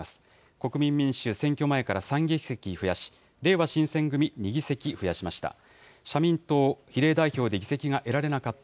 国民民主は選挙前から３議席増やし、れいわ新選組２議席増やしました。